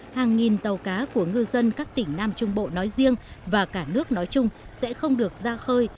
hàng nghìn tàu cá của ngư dân các tỉnh nam trung bộ nói riêng và cả nước nói chung sẽ không được ra khơi